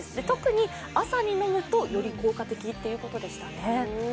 特に朝に飲むとより効果的ということでしたね。